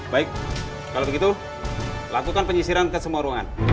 baik kalau begitu lakukan penyisiran ke semua ruangan